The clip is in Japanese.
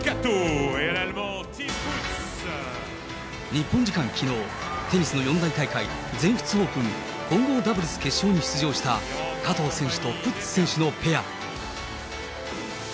日本時間きのう、テニスの四大大会、全仏オープン混合ダブルス決勝に登場した、加藤選手とプッツ選手のペア。